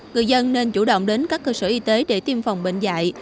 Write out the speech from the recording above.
người dân nên chủ động đến các cơ sở y tế để tiêm phòng bệnh dạy